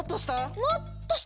もっとした？